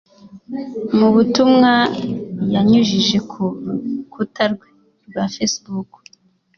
Mu butumwa yanyujije ku rukuta rwe rwa facebook